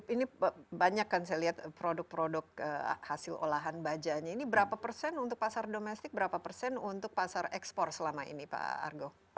ini banyak kan saya lihat produk produk hasil olahan bajanya ini berapa persen untuk pasar domestik berapa persen untuk pasar ekspor selama ini pak argo